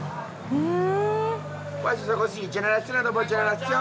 へえ。